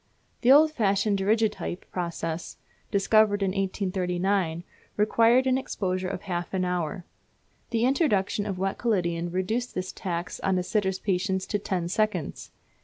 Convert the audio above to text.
The old fashioned Daguerreotype process, discovered in 1839, required an exposure of half an hour. The introduction of wet collodion reduced this tax on a sitter's patience to ten seconds.